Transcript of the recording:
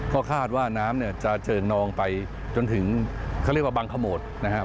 ก็คาดว่าน้ำเนี่ยจะเชิญนองไปจนถึงเขาเรียกว่าบังขโมดนะครับ